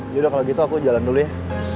yaudah kalau gitu aku jalan dulu ya